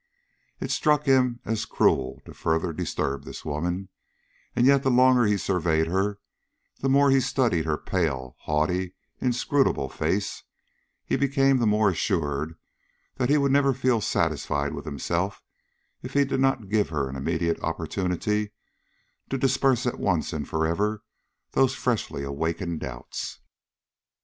It struck him as cruel to further disturb this woman, and yet the longer he surveyed her, the more he studied her pale, haughty, inscrutable face, he became the more assured that he would never feel satisfied with himself if he did not give her an immediate opportunity to disperse at once and forever these freshly awakened doubts.